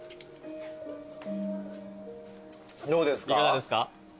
いかがですか？